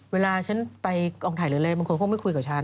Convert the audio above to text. เวลาฉันไปกองถ่ายเรือนแรมมันควรคงไม่คุยกับฉัน